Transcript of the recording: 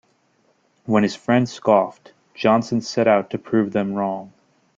When his friends scoffed, Johnson set out to prove them wrong.